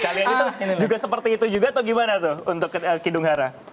kalian itu juga seperti itu juga atau gimana tuh untuk kidunghara